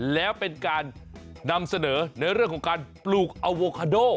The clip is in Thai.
แล้วเป็นการนำเสนอในเรื่องของการปลูกอโวคาโด